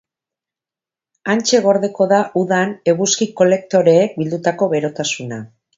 Hantxe gordeko da udan eguzki-kolektoreek bildutako berotasuna.